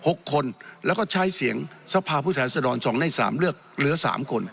หกคนแล้วก็ใช้เสียงสภาพผู้แทนสดรสองในสามเลือกเหลือสามคน